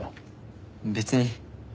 別に。